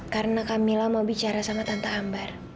karena kamilah mau bicara sama tante ambar